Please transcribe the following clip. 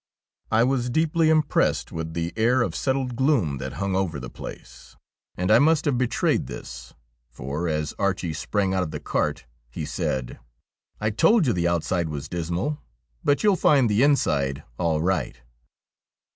I was deeply impressed with the air of settled gloom that hung over the place, and I must have betrayed this, for, as Archie sprang out of the cart, he said :' I told you the outside was dismal, but you'll find the inside all right.'